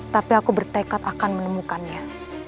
tapi aku bertekad akan menemukannya